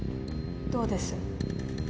どうです？